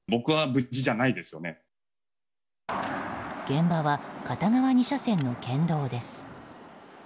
現場は片側２車線の県道です。